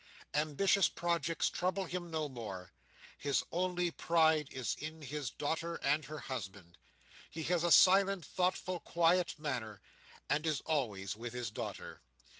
Ambitious projects trouble him no more. His only pride is in his daughter and her husband. He has a silent, thoughtful, quiet manner, and is always with his daughter.